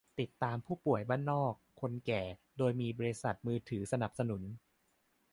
ติดตามผู้ป่วยตามบ้าน คนแก่ โดยมีบริษัทมือถือสนับสนุน